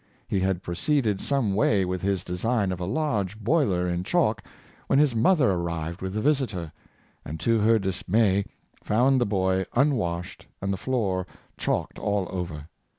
He had proceeded some way with his design of a large boiler in chalk, when his mother ar rived with the visitor, and to her dismay, found the boy unwashed, and the floor chalked all over.